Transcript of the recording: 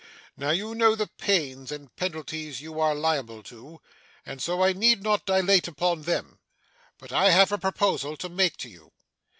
Now, you know the pains and penalties you are liable to, and so I need not dilate upon them, but I have a proposal to make to you.